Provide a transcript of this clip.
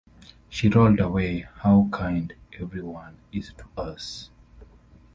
She rolled away "How kind every one is to us!"